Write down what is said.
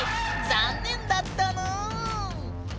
残念だったぬん。